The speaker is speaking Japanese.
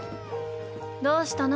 どうしたの？